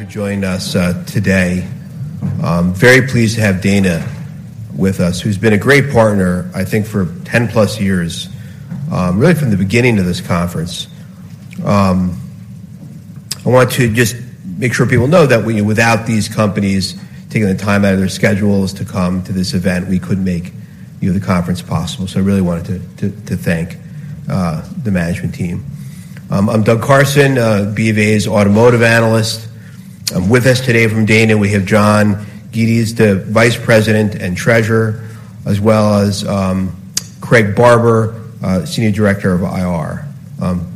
who joined us today. Very pleased to have Dana with us, who's been a great partner, I think, for 10+ years, really from the beginning of this conference. I want to just make sure people know that we- without these companies taking the time out of their schedules to come to this event, we couldn't make, you know, the conference possible. So I really wanted to thank the management team. I'm Doug Karson, BofA's automotive analyst. With us today from Dana, we have John Geddes, the Vice President and Treasurer, as well as Craig Barber, Senior Director of IR.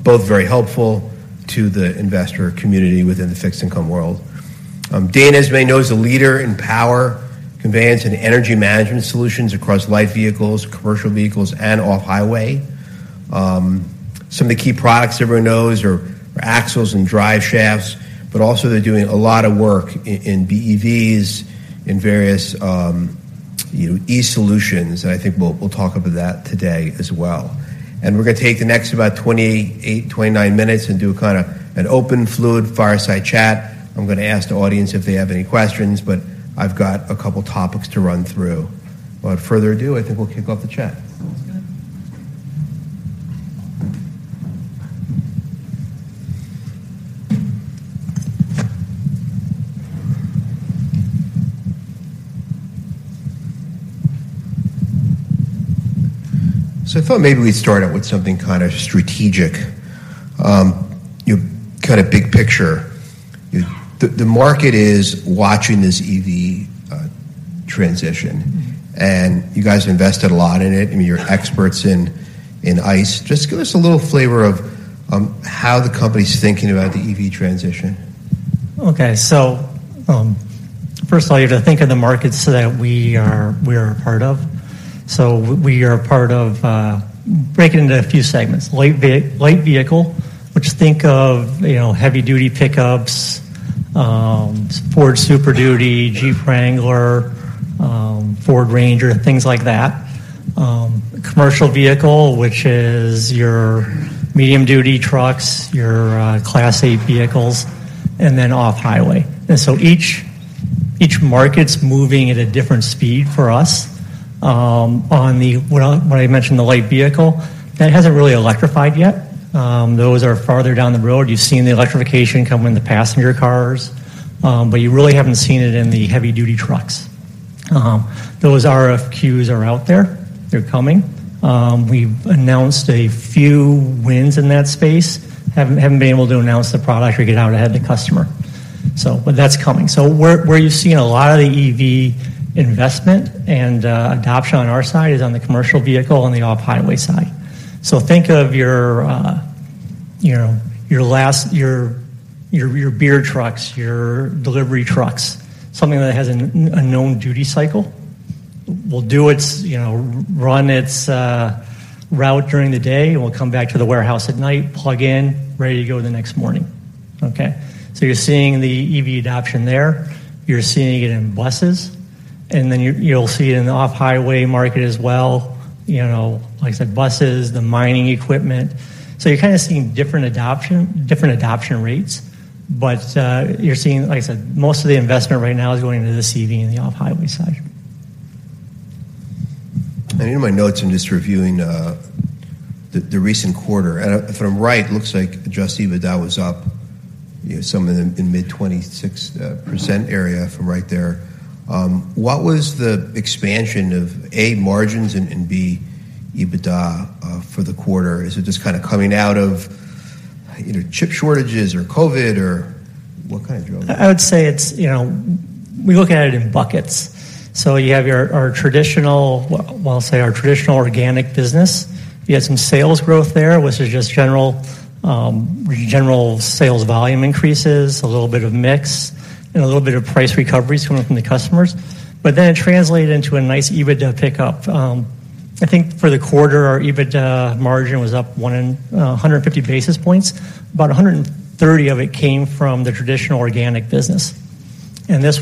Both very helpful to the investor community within the fixed income world. Dana, as you may know, is a leader in power, conveyance, and energy management solutions across light vehicles, commercial vehicles, and off-highway. Some of the key products everyone knows are axles and drive shafts, but also they're doing a lot of work in BEVs, in various, you know, e-solutions, and I think we'll talk about that today as well. We're gonna take the next about 28, 29 minutes and do a kind of an open, fluid, fireside chat. I'm gonna ask the audience if they have any questions, but I've got a couple topics to run through. Without further ado, I think we'll kick off the chat. Sounds good. So I thought maybe we'd start out with something kind of strategic. You've got a big picture. The market is watching this EV transition. And you guys invested a lot in it, and you're experts in ICE. Just give us a little flavor of how the company's thinking about the EV transition. Okay, so, first of all, you have to think of the markets that we are a part of. So we are a part of, break it into a few segments: light vehicle, which, think of, you know, heavy-duty pickups, Ford Super Duty, Jeep Wrangler, Ford Ranger, things like that. Commercial vehicle, which is your medium-duty trucks, your Class 8 vehicles, and then off-highway. And so each market's moving at a different speed for us. On what I, when I mentioned the light vehicle, that hasn't really electrified yet. Those are farther down the road. You've seen the electrification come in the passenger cars, but you really haven't seen it in the heavy-duty trucks. Those RFQs are out there. They're coming. We've announced a few wins in that space. Haven't been able to announce the product or get out ahead of the customer. So but that's coming. So where you're seeing a lot of the EV investment and adoption on our side is on the commercial vehicle and the off-highway side. So think of your, you know, beer trucks, your delivery trucks, something that has a known duty cycle, will do its, you know, run its route during the day and will come back to the warehouse at night, plug in, ready to go the next morning, okay? So you're seeing the EV adoption there. You're seeing it in buses, and then you're, you'll see it in the off-highway market as well, you know, like I said, buses, the mining equipment. You're kind of seeing different adoption, different adoption rates, but you're seeing, like I said, most of the investment right now is going into the EV and the off-highway side. In my notes, I'm just reviewing the recent quarter. If I'm right, it looks like Adjusted EBITDA was up, you know, somewhere in the mid-26% area from right there. What was the expansion of A, margins, and B, EBITDA for the quarter? Is it just kind of coming out of, you know, chip shortages or COVID, or what kind of drove it? I would say it's, you know, we look at it in buckets. So you have our traditional, well, I'll say our traditional organic business. You had some sales growth there, which is just general sales volume increases, a little bit of mix, and a little bit of price recoveries from the customers. But then it translated into a nice EBITDA pickup. I think for the quarter, our EBITDA margin was up 150 basis points. About 130 of it came from the traditional organic business. And this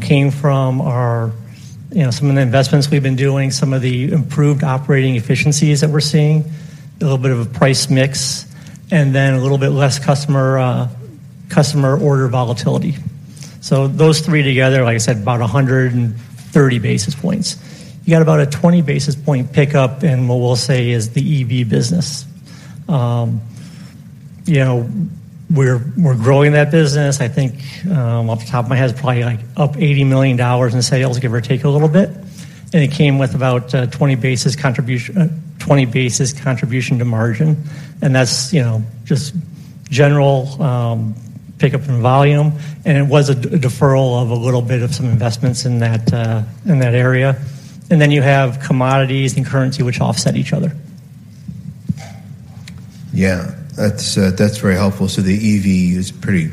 came from our, you know, some of the investments we've been doing, some of the improved operating efficiencies that we're seeing, a little bit of a price mix, and then a little bit less customer order volatility. So those three together, like I said, about 130 basis points. You got about a 20 basis point pickup in what we'll say is the EV business. You know, we're growing that business. I think, off the top of my head, it's probably, like, up $80 million in sales, give or take a little bit. And it came with about, twenty basis contribution to margin, and that's, you know, just general pickup in volume. And it was a deferral of a little bit of some investments in that, in that area. And then you have commodities and currency, which offset each other. Yeah, that's very helpful. So the EV is a pretty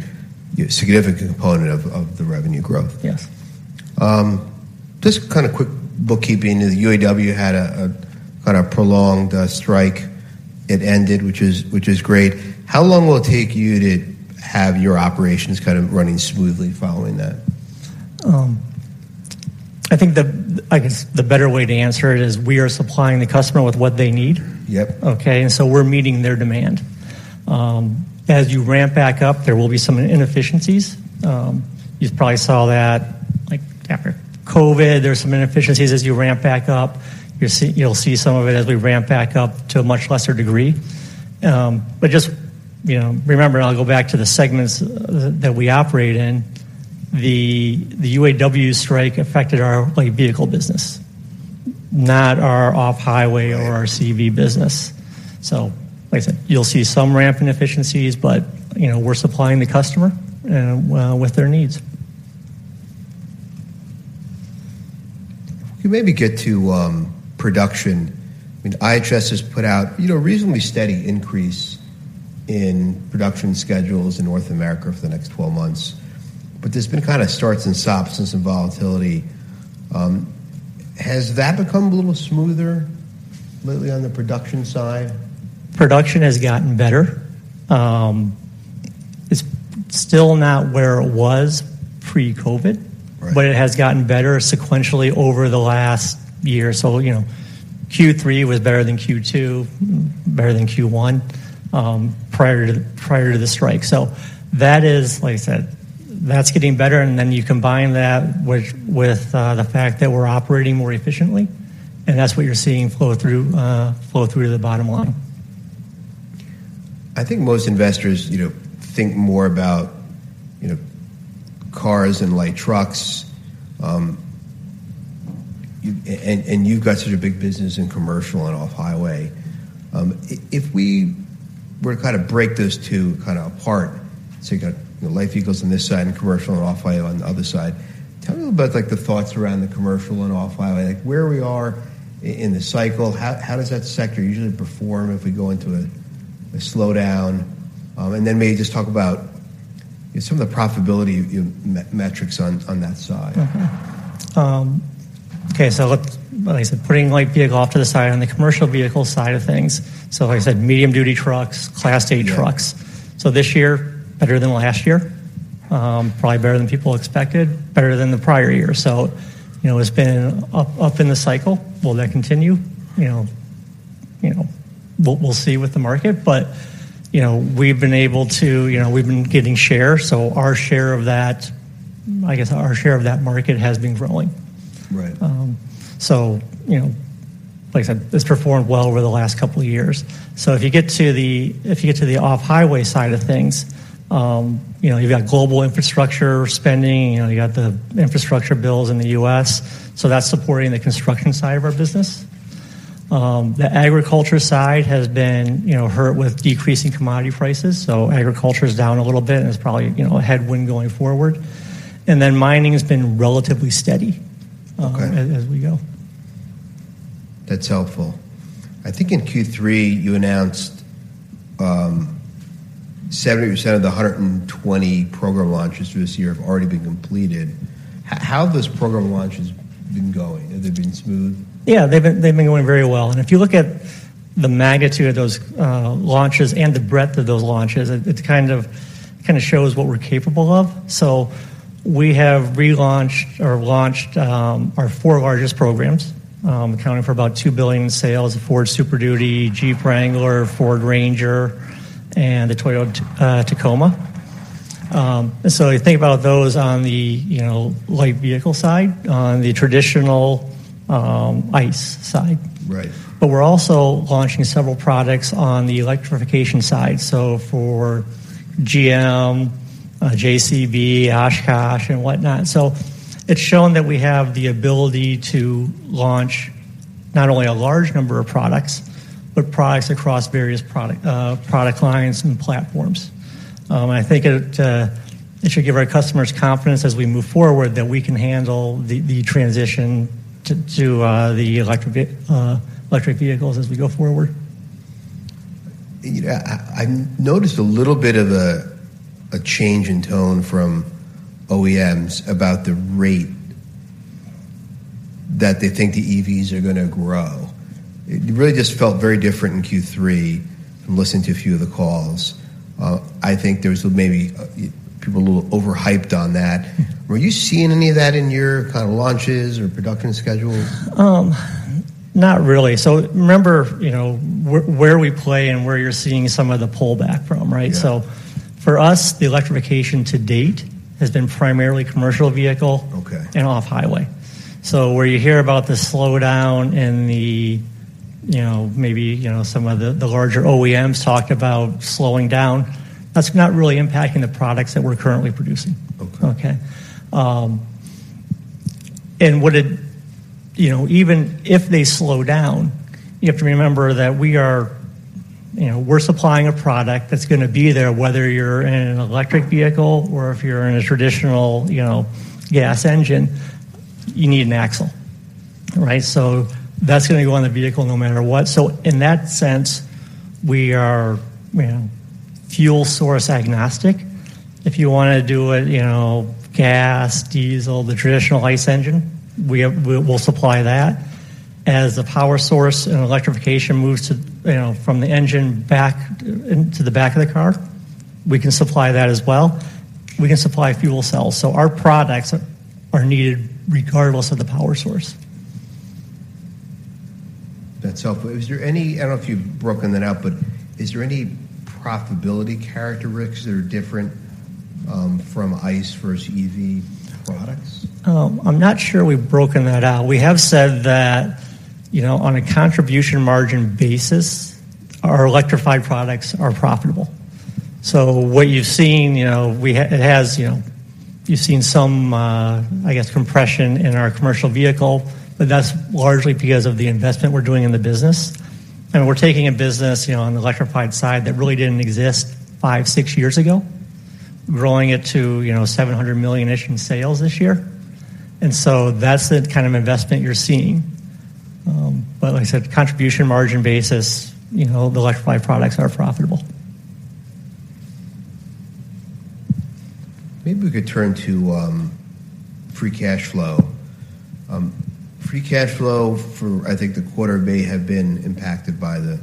significant component of the revenue growth. Yes. Just kind of quick bookkeeping. The UAW had a kind of prolonged strike. It ended, which is great. How long will it take you to have your operations kind of running smoothly following that? I think, I guess, the better way to answer it is we are supplying the customer with what they need. Yep. Okay, and so we're meeting their demand. As you ramp back up, there will be some inefficiencies. You've probably saw that, like, after COVID, there's some inefficiencies as you ramp back up. You'll see, you'll see some of it as we ramp back up to a much lesser degree. But just, you know, remember, I'll go back to the segments that we operate in, the UAW strike affected our, like, vehicle business, not our off-highway or our CV business. So like I said, you'll see some ramp inefficiencies, but, you know, we're supplying the customer, well, with their needs. Can we maybe get to production? I mean, IHS has put out, you know, reasonably steady increase in production schedules in North America for the next 12 months, but there's been kinda starts and stops and some volatility. Has that become a little smoother lately on the production side? Production has gotten better. It's still not where it was pre-COVID- Right. but it has gotten better sequentially over the last year. So, you know, Q3 was better than Q2, better than Q1, prior to, prior to the strike. So that is, like I said, that's getting better, and then you combine that with, with, the fact that we're operating more efficiently, and that's what you're seeing flow through, flow through to the bottom line. I think most investors, you know, think more about, you know, cars and light trucks, and you've got such a big business in commercial and off-highway. If we were to kind of break those two kind of apart, so you got your light vehicles on this side and commercial and off-highway on the other side, tell me about, like, the thoughts around the commercial and off-highway, like, where we are in the cycle. How does that sector usually perform if we go into a slowdown? And then maybe just talk about some of the profitability metrics on that side. Okay, so let's—like I said—putting light vehicle off to the side, on the commercial vehicle side of things, so like I said, medium-duty trucks, Class 8 trucks. Yeah. So this year, better than last year, probably better than people expected, better than the prior year. So, you know, it's been up in the cycle. Will that continue? You know, we'll see with the market. But, you know, we've been able to, you know, we've been getting share, so our share of that, I guess, our share of that market has been growing. Right. So, you know, like I said, it's performed well over the last couple of years. So if you get to the off-highway side of things, you know, you've got global infrastructure spending, you know, you've got the infrastructure bills in the U.S., so that's supporting the construction side of our business. The agriculture side has been, you know, hurt with decreasing commodity prices, so agriculture is down a little bit, and it's probably, you know, a headwind going forward. And then mining has been relatively steady- Okay As we go. That's helpful. I think in Q3, you announced 70% of the 120 program launches for this year have already been completed. How have those program launches been going? Have they been smooth? Yeah, they've been, they've been going very well, and if you look at the magnitude of those launches and the breadth of those launches, it, it kind of, kind of shows what we're capable of. So we have relaunched or launched our four largest programs, accounting for about $2 billion in sales: Ford Super Duty, Jeep Wrangler, Ford Ranger, and the Toyota Tacoma. So you think about those on the, you know, light vehicle side, on the traditional ICE side. Right. But we're also launching several products on the electrification side, so for GM, JCB, Oshkosh, and whatnot. So it's shown that we have the ability to launch not only a large number of products, but products across various product lines and platforms. And I think it should give our customers confidence as we move forward, that we can handle the transition to the electric vehicles as we go forward. Yeah, I noticed a little bit of a change in tone from OEMs about the rate that they think the EVs are gonna grow. It really just felt very different in Q3 from listening to a few of the calls. I think there was maybe people a little overhyped on that. Were you seeing any of that in your kind of launches or production schedules? Not really. So remember, you know, where we play and where you're seeing some of the pullback from, right? Yeah. So for us, the electrification to date has been primarily commercial vehicle. Okay And off-highway. So where you hear about the slowdown and the, you know, maybe, you know, some of the larger OEMs talk about slowing down, that's not really impacting the products that we're currently producing. Okay. Okay? And you know, even if they slow down, you have to remember that we are, you know, we're supplying a product that's gonna be there, whether you're in an electric vehicle or if you're in a traditional, you know, gas engine, you need an axle, right? So that's gonna go on the vehicle no matter what. So in that sense, we are, you know, fuel source agnostic. If you wanna do it, you know, gas, diesel, the traditional ICE engine, we'll supply that. As the power source and electrification moves to, you know, from the engine back into the back of the car, we can supply that as well. We can supply fuel cells, so our products are needed regardless of the power source. That's helpful. Is there any, I don't know if you've broken that out, but is there any profitability characteristics that are different from ICE versus EV products? I'm not sure we've broken that out. We have said that, you know, on a contribution margin basis, our electrified products are profitable. So what you've seen, you know, it has, you know, you've seen some, I guess, compression in our commercial vehicle, but that's largely because of the investment we're doing in the business. And we're taking a business, you know, on the electrified side, that really didn't exist five, six years ago, growing it to, you know, $700 million-ish in sales this year. And so that's the kind of investment you're seeing. But like I said, contribution margin basis, you know, the electrified products are profitable. Maybe we could turn to free cash flow. Free cash flow for, I think, the quarter may have been impacted by the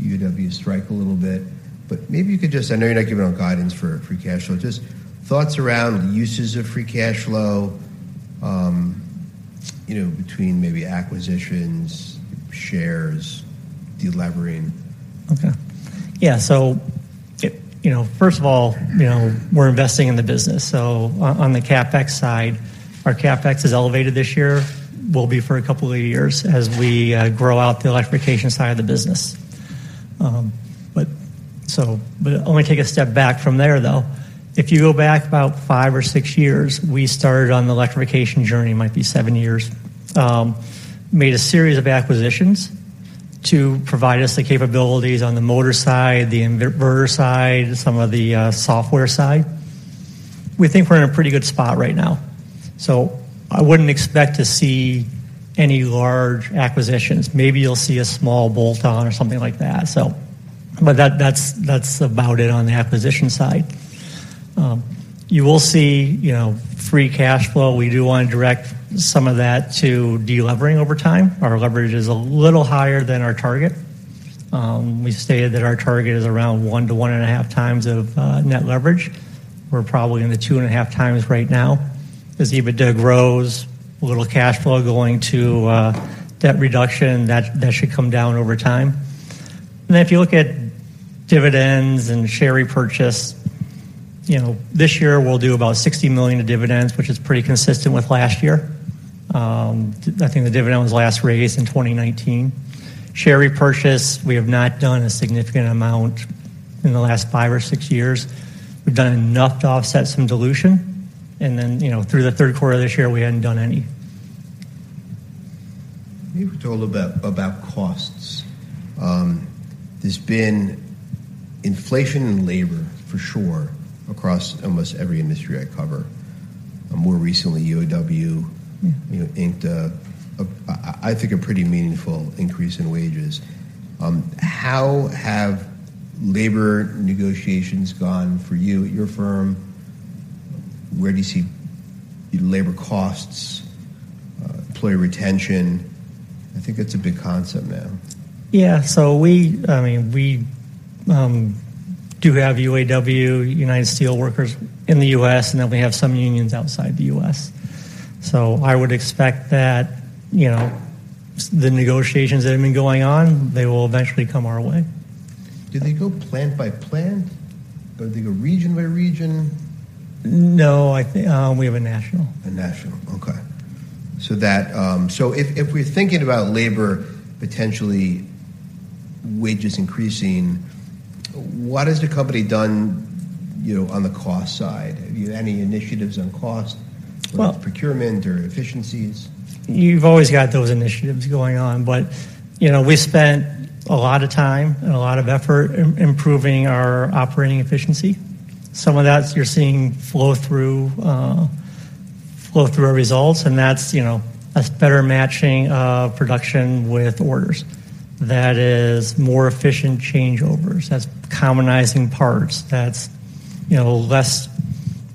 UAW strike a little bit, but maybe you could just, I know you're not giving out guidance for free cash flow, just thoughts around uses of free cash flow, you know, between maybe acquisitions, shares, delevering. Okay. Yeah, so. You know, first of all, you know, we're investing in the business, so on the CapEx side, our CapEx is elevated this year, will be for a couple of years as we grow out the electrification side of the business. But let me take a step back from there, though. If you go back about five or six years, we started on the electrification journey, might be seven years. Made a series of acquisitions to provide us the capabilities on the motor side, the inverter side, and some of the software side. We think we're in a pretty good spot right now, so I wouldn't expect to see any large acquisitions. Maybe you'll see a small bolt-on or something like that, so. But that's about it on the acquisition side. You will see, you know, free cash flow. We do want to direct some of that to delevering over time. Our leverage is a little higher than our target. We stated that our target is around 1-1.5x of net leverage. We're probably in the 2.5 times right now. As EBITDA grows, a little cash flow going to debt reduction, that should come down over time. And if you look at dividends and share repurchase, you know, this year we'll do about $60 million of dividends, which is pretty consistent with last year. I think the dividend was last raised in 2019. Share repurchase, we have not done a significant amount in the last five or six years. We've done enough to offset some dilution, and then, you know, through the third quarter of this year, we hadn't done any. Maybe we could talk a little bit about costs. There's been inflation in labor, for sure, across almost every industry I cover, and more recently, UAW, you know, inked a pretty meaningful increase in wages. How have labor negotiations gone for you at your firm? Where do you see your labor costs, employee retention? I think it's a big concept now. Yeah. So we, I mean, we do have UAW, United Steelworkers in the U.S., and then we have some unions outside the U.S. So I would expect that, you know, the negotiations that have been going on, they will eventually come our way. Do they go plant by plant, or do they go region by region? No, I think, we have a national. Okay. So if we're thinking about labor, potentially wages increasing, what has the company done, you know, on the cost side? Have you any initiatives on cost- Well- Procurement or efficiencies? You've always got those initiatives going on, but, you know, we spent a lot of time and a lot of effort improving our operating efficiency. Some of that you're seeing flow through, flow through our results, and that's, you know, that's better matching production with orders. That is more efficient changeovers. That's commonizing parts. That's, you know, less,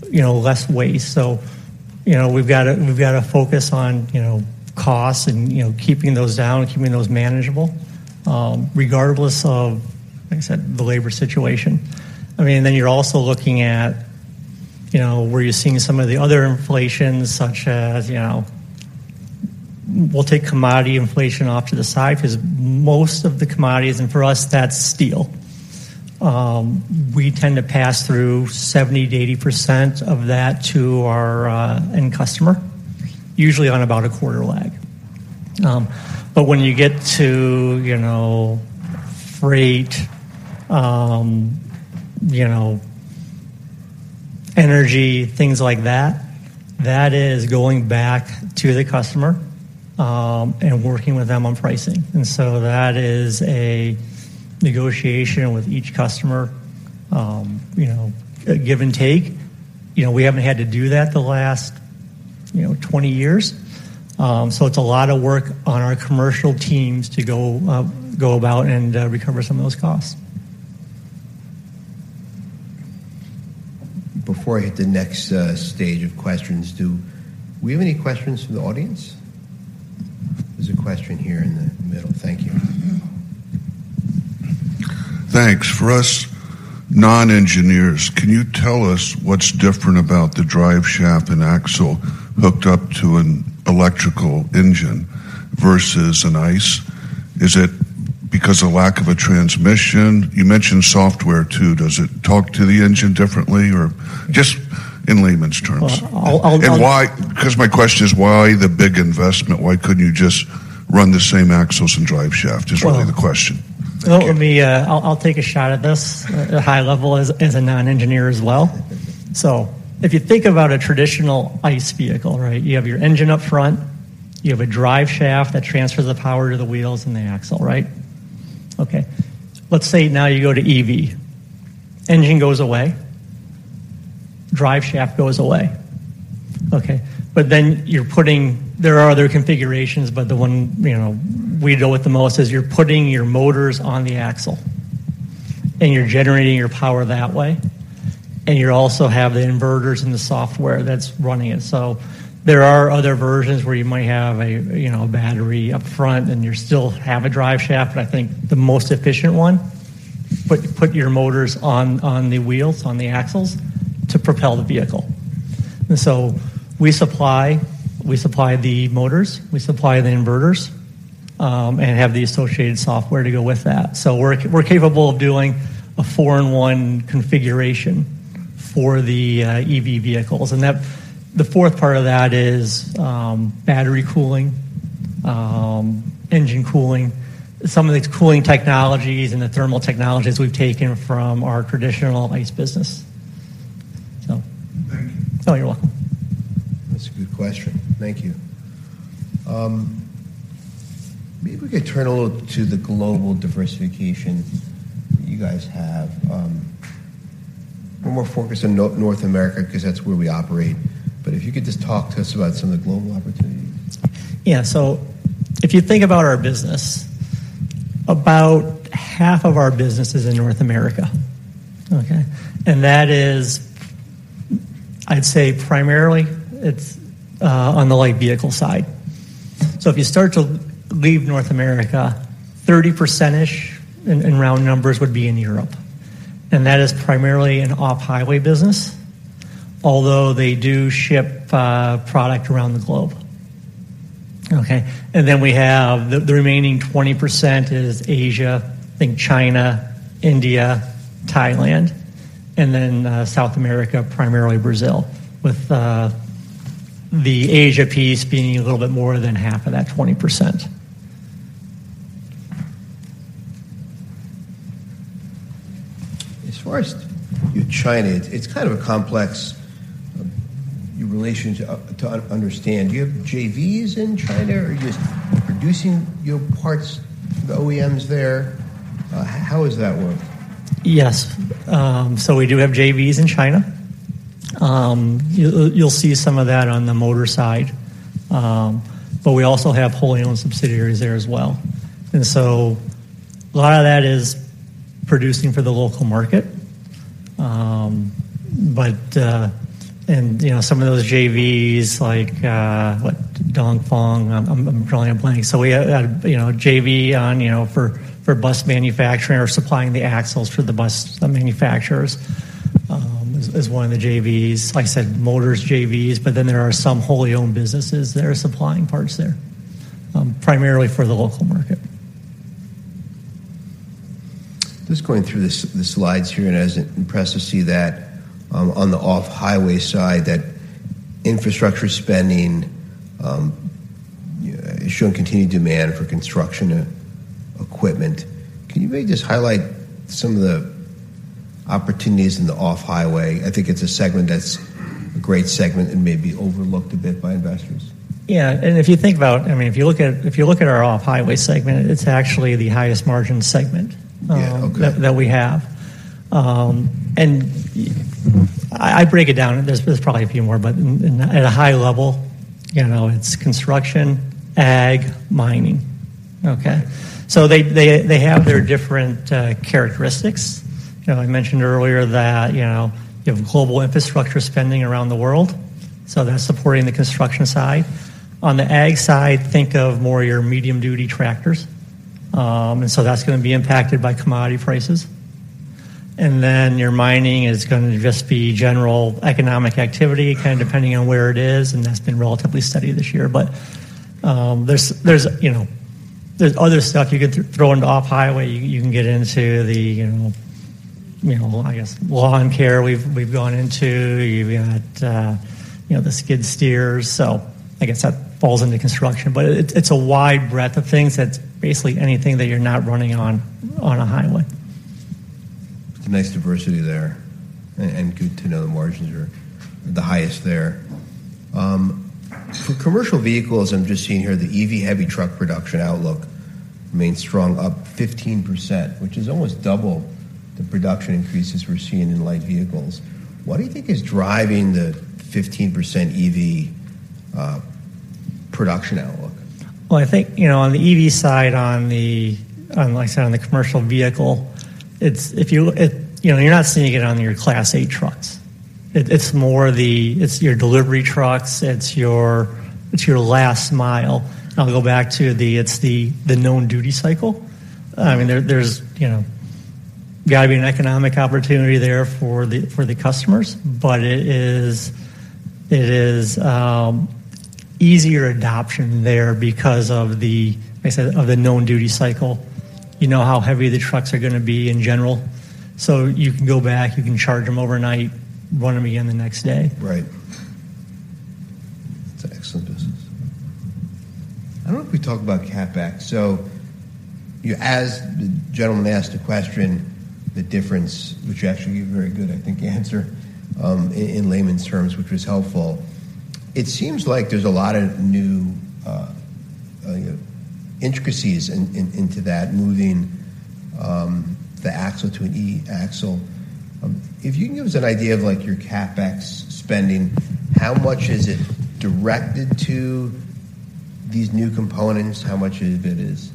you know, less waste. So, you know, we've got to, we've got to focus on, you know, costs and, you know, keeping those down and keeping those manageable, regardless of, like I said, the labor situation. I mean, then you're also looking at, you know, where you're seeing some of the other inflations, such as, you know... We'll take commodity inflation off to the side, because most of the commodities, and for us, that's steel. We tend to pass through 70%-80% of that to our end customer, usually on about a quarter lag. But when you get to, you know, freight, you know, energy, things like that, that is going back to the customer and working with them on pricing. And so that is a negotiation with each customer, you know, a give and take. You know, we haven't had to do that the last 20 years, so it's a lot of work on our commercial teams to go about and recover some of those costs. Before I hit the next stage of questions, do we have any questions from the audience? There's a question here in the middle. Thank you. Thanks. For us non-engineers, can you tell us what's different about the drive shaft and axle hooked up to an electrical engine versus an ICE? Is it because of lack of a transmission? You mentioned software, too. Does it talk to the engine differently, or just in layman's terms? Well, I'll- 'Cause my question is, why the big investment? Why couldn't you just run the same axles and drive shaft, is really the question. Well- Thank you. Let me, I'll take a shot at this at high level, as a non-engineer as well. So if you think about a traditional ICE vehicle, right, you have your engine up front, you have a drive shaft that transfers the power to the wheels and the axle, right? Okay. Let's say now you go to EV. Engine goes away, drive shaft goes away, okay? But then you're putting... There are other configurations, but the one, you know, we deal with the most is you're putting your motors on the axle, and you're generating your power that way, and you also have the inverters and the software that's running it. So there are other versions where you might have, you know, a battery up front, and you still have a drive shaft, but I think the most efficient one, put your motors on the wheels, on the axles, to propel the vehicle. And so we supply the motors, we supply the inverters, and have the associated software to go with that. So we're capable of doing a four-in-one configuration for the EV vehicles, and that, the fourth part of that is battery cooling, engine cooling. Some of these cooling technologies and the thermal technologies we've taken from our traditional ICE business. So- Thank you. Oh, you're welcome. That's a good question. Thank you. Maybe we could turn a little to the global diversification you guys have. We're more focused on North America, 'cause that's where we operate, but if you could just talk to us about some of the global opportunities. Yeah. So if you think about our business, about half of our business is in North America, okay? And that is, I'd say, primarily, it's on the light vehicle side. So if you start to leave North America, 30%-ish, in round numbers, would be in Europe, and that is primarily an off-highway business, although they do ship product around the globe, okay? And then we have the remaining 20% is Asia, I think China, India, Thailand, and then South America, primarily Brazil, with the Asia piece being a little bit more than half of that 20%. As far as your China, it's kind of a complex relationship to understand. Do you have JVs in China, or are you just producing your parts, the OEMs there? How does that work? Yes. So we do have JVs in China. You, you'll see some of that on the motor side. But we also have wholly-owned subsidiaries there as well. And so a lot of that is producing for the local market. But, and, you know, some of those JVs, like, what? Dongfeng. I'm probably blanking. So we have, you know, a JV on, you know, for bus manufacturing or supplying the axles for the bus manufacturers is one of the JVs. Like I said, motors JVs, but then there are some wholly owned businesses that are supplying parts there, primarily for the local market. Just going through the slides here, and I was impressed to see that on the off-highway side, that infrastructure spending is showing continued demand for construction and equipment. Can you maybe just highlight some of the opportunities in the off-highway? I think it's a segment that's a great segment and maybe overlooked a bit by investors. Yeah, and if you think about—I mean, if you look at, if you look at our Off-Highway segment, it's actually the highest margin segment. Yeah, okay That, that we have. And I break it down. There's probably a few more, but at a high level, you know, it's construction, ag, mining, okay? So they have their different characteristics. You know, I mentioned earlier that, you know, you have global infrastructure spending around the world, so that's supporting the construction side. On the ag side, think of more your medium-duty tractors. And so that's gonna be impacted by commodity prices. And then your mining is gonna just be general economic activity, kind of depending on where it is, and that's been relatively steady this year. But, there's, you know, there's other stuff you could throw into off-highway. You can get into the, you know, I guess, lawn care, we've gone into. You've got, you know, the skid steers, so I guess that falls into construction. But it, it's a wide breadth of things, that's basically anything that you're not running on a highway. It's a nice diversity there, and good to know the margins are the highest there. For commercial vehicles, I'm just seeing here, the EV heavy truck production outlook remains strong, up 15%, which is almost double the production increases we're seeing in light vehicles. What do you think is driving the 15% EV production outlook? Well, I think, you know, on the EV side, like I said, on the commercial vehicle. You know, you're not seeing it on your Class 8 trucks. It's more the delivery trucks, it's your last mile. I'll go back to the known duty cycle. I mean, there's got to be an economic opportunity there for the customers, but it is easier adoption there because of the, I said, of the known duty cycle. You know how heavy the trucks are gonna be in general, so you can go back, you can charge them overnight, run them again the next day. Right. It's an excellent business. I don't know if we talked about CapEx. So you as the gentleman asked the question, the difference, which actually you very good, I think, answered in layman's terms, which was helpful. It seems like there's a lot of new intricacies into that, moving the axle to an e-Axle. If you can give us an idea of, like, your CapEx spending, how much is it directed to these new components? How much of it is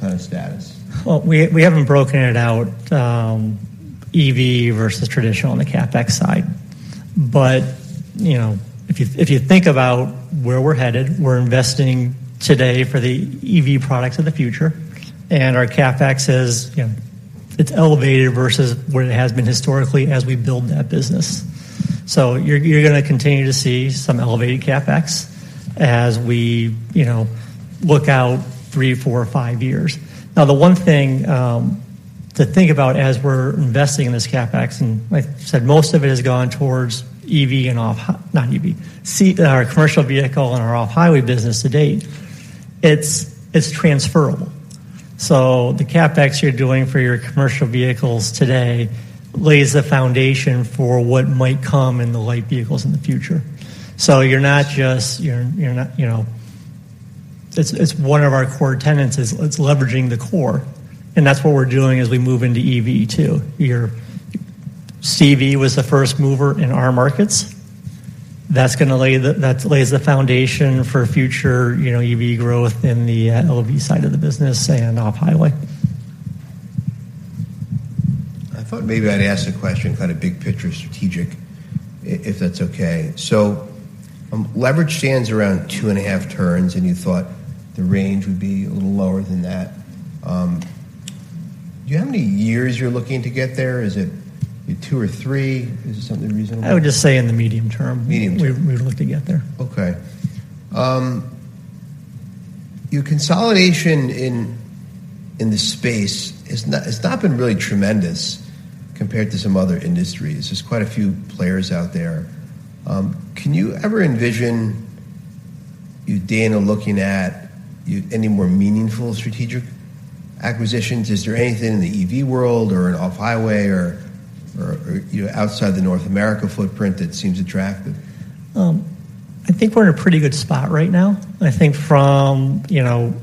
kind of status? Well, we haven't broken it out, EV versus traditional on the CapEx side. But, you know, if you think about where we're headed, we're investing today for the EV products of the future, and our CapEx is, you know, it's elevated versus what it has been historically as we build that business. So you're gonna continue to see some elevated CapEx as we, you know, look out 3, 4, or 5 years. Now, the one thing to think about as we're investing in this CapEx, and like I said, most of it has gone towards our commercial vehicle and our off-highway business to date. It's transferable. So the CapEx you're doing for your commercial vehicles today lays the foundation for what might come in the light vehicles in the future. So you're not just... You know, it's one of our core tenets, is it's leveraging the core, and that's what we're doing as we move into EV too. Our CV was the first mover in our markets. That lays the foundation for future, you know, EV growth in the LV side of the business and off-highway. I thought maybe I'd ask a question, kind of big picture strategic, if that's okay. So, leverage stands around 2.5 turns, and you thought the range would be a little lower than that. Do you know how many years you're looking to get there? Is it two or three? Is it something reasonable? I would just say in the medium term- Medium term. We're looking to get there. Okay. Your consolidation in this space has not been really tremendous compared to some other industries. There's quite a few players out there. Can you ever envision you, Dana, looking at any more meaningful strategic acquisitions? Is there anything in the EV world, or in off-highway, or, you know, outside the North America footprint that seems attractive? I think we're in a pretty good spot right now. I think from, you know,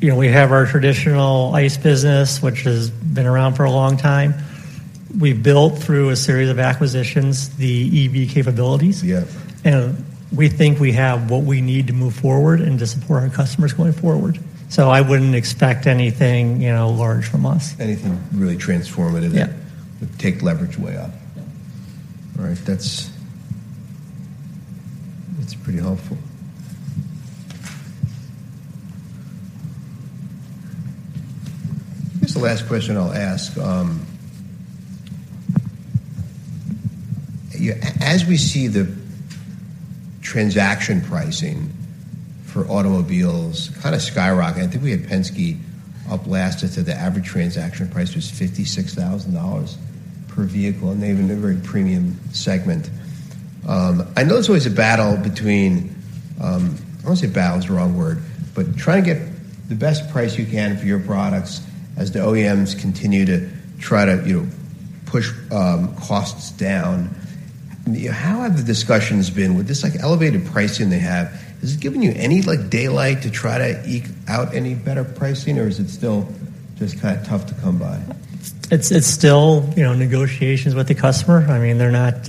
you know, we have our traditional ICE business, which has been around for a long time. We've built, through a series of acquisitions, the EV capabilities. Yes. We think we have what we need to move forward and to support our customers going forward. I wouldn't expect anything, you know, large from us. Anything really transformative- Yeah. That would take leverage way up. Yeah. All right. That's, that's pretty helpful. Here's the last question I'll ask. Yeah, as we see the transaction pricing for automobiles kind of skyrocket... I think we had Penske up last, and said the average transaction price was $56,000 per vehicle, and they have a very premium segment. I know there's always a battle between, I won't say battle, it's the wrong word, but trying to get the best price you can for your products as the OEMs continue to try to, you know, push costs down. How have the discussions been? With this, like, elevated pricing they have, has it given you any, like, daylight to try to eke out any better pricing, or is it still just kind of tough to come by? It's still, you know, negotiations with the customer. I mean, they're not,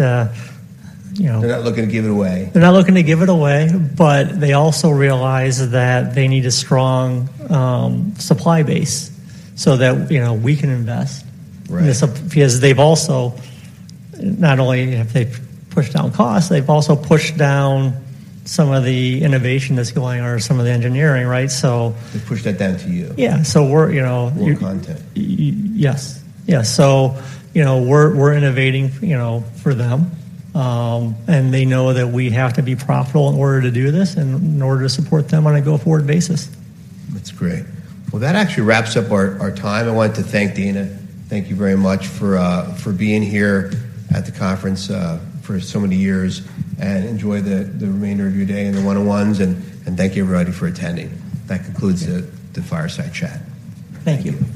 you know- They're not looking to give it away. They're not looking to give it away, but they also realize that they need a strong, supply base so that, you know, we can invest. Right. Because they've also not only have they pushed down costs, they've also pushed down some of the innovation that's going on or some of the engineering, right? So- They've pushed that down to you. Yeah. So we're, you know- More content. Yes. Yes. So, you know, we're innovating, you know, for them. And they know that we have to be profitable in order to do this and in order to support them on a go-forward basis. That's great. Well, that actually wraps up our time. I want to thank Dana. Thank you very much for being here at the conference for so many years, and enjoy the remainder of your day and the one-on-ones, and thank you, everybody, for attending. That concludes the fireside chat. Thank you.